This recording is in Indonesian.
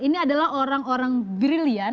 ini adalah orang orang brilliant